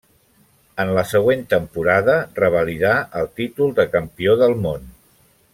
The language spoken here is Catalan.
En la següent temporada revalidà el títol de campió del món.